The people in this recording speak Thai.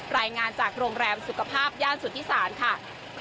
รายงานจากโรงแรมสุขภาพย่านสุธิศาลค่ะ